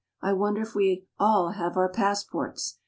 I wonder jf we all have our pass ports.